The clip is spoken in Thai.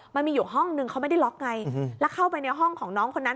มันมีอยู่ห้องนึงเขาไม่ได้ล็อกไงแล้วเข้าไปในห้องของน้องคนนั้น